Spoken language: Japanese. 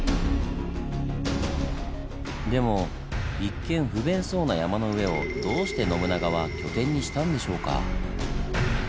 でも一見不便そうな山の上をどうして信長は拠点にしたんでしょうか？